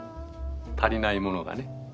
足りないものがね。